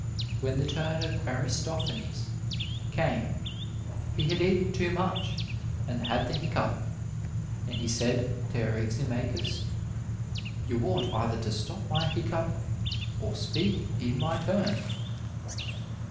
When the turn of Aristophanes came he had eaten too much and had the hiccough, and he said to Eryximachus, "You ought either to stop my hiccough or speak in my turn.''